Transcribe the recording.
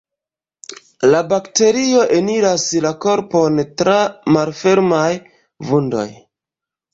La bakterio eniras la korpon tra malfermaj vundoj.